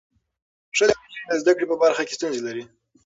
ښځې او نجونې د زده کړې په برخه کې ستونزې لري.